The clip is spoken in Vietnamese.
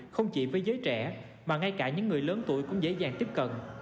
không chỉ với giới trẻ mà ngay cả những người lớn tuổi cũng dễ dàng tiếp cận